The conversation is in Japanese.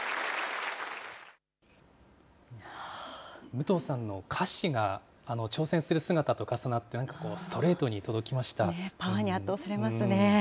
武藤さんの歌詞が挑戦する姿と重なって、なんか、パワーに圧倒されますね。